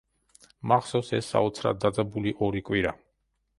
მახსოვს ეს საოცრად დაძაბული ორი კვირა.